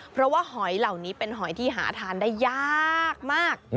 เพราะว่าหอยเหล่านี้เป็นหอยที่หาทานได้ยากมาก